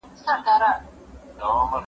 تیروتنه د انسان طبیعي برخه ده.